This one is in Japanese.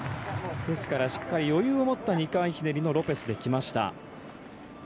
しっかりと余裕を持った２回ひねりのロペスできました。